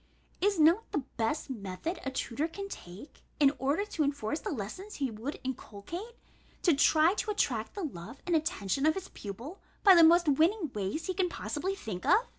Is not the best method a tutor can take, in order to enforce the lessons he would inculcate, to try to attract the love and attention of his pupil by the most winning ways he can possibly think of?